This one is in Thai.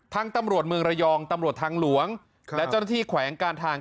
ตำรวจเมืองระยองตำรวจทางหลวงและเจ้าหน้าที่แขวงการทาง